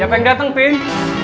siapa yang dateng vin